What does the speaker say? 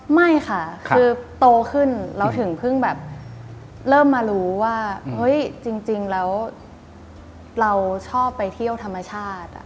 ไม่ค่ะคือโตขึ้นเราถึงเพิ่งแบบเริ่มมารู้ว่าจริงแล้วเราชอบไปเที่ยวธรรมชาติ